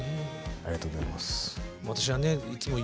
ありがとうございます。